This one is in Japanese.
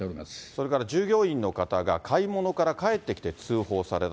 それから従業員の方が買い物から帰ってきて通報された。